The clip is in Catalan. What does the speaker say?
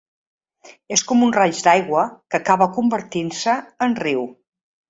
És com un raig d’aigua que acaba convertint-se en riu.